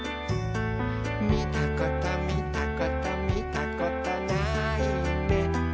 「みたことみたことみたことないね」